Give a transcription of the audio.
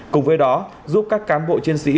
cùng với đó giúp các cán bộ chiến sĩ